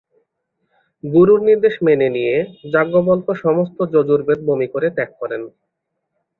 গুরুর নির্দেশ মেনে নিয়ে, যাজ্ঞবল্ক্য সমস্ত যজুর্বেদ বমি করে ত্যাগ করেন।